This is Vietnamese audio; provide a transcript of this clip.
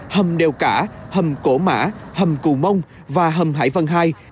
hầm đều cả hầm cổ mã hầm cụ mông và hầm hải vân hai